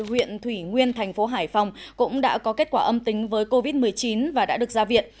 huyện thủy nguyên thành phố hải phòng cũng đã có kết quả âm tính với covid một mươi chín và đã được ra viện